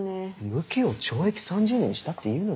無期を懲役３０年にしたっていうのに？